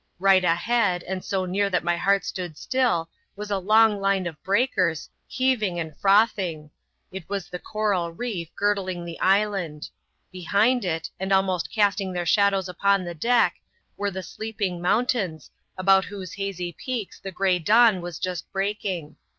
Right ahead, and so near that my heart stood still, was a long line of breakers, heaving and frothing. It was the coral reef, girdling the island. Behind it, and almost casting their shadows upon the deck, were the sleeping mountains, about whose hazy peaks the gray dawn was just breaking.